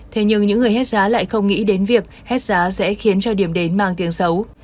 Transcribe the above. thế nhưng những người hết giá lại không nghĩ đến việc hết giá sẽ khiến cho điểm đến mang tiếng xấu